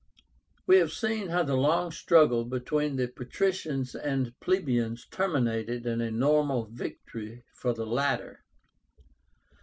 We have seen how the long struggle between the patricians and plebeians terminated in a nominal victory for the latter.